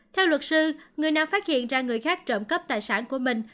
theo luật sư người nào phát hiện ra người khác trộm cắp tài sản của mình